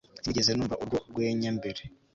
Sinigeze numva urwo rwenya mbere